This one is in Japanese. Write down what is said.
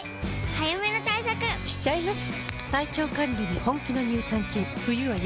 早めの対策しちゃいます。